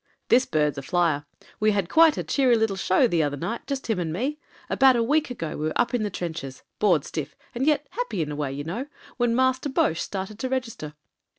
"This bird's a flier. We had quite a cheery little show the other night, just him and me. About a week ago we were up in the trenches — bored stiff, and yet happy in a way, you know, when Master Boche started to register.